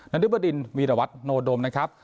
นุบดินวีรวัตโนดมนะครับ